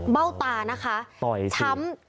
เบ้าตานะคะช้ำ